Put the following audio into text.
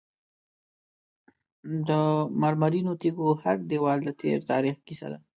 د مرمرینو تیږو هر دیوال د تیر تاریخ کیسه ده.